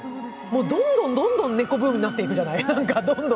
どんどん猫ブームになっていくじゃない。